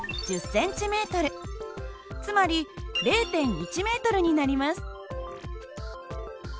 つまり０．１ｍになります。